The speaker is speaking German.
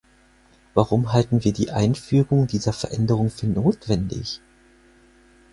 Warum halten wir die Einfügung dieser Veränderung für notwendig?